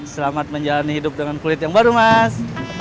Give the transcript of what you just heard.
selamat menjalani hidup dengan kulit yang baru mas